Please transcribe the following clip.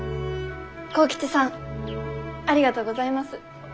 幸吉さんありがとうございます。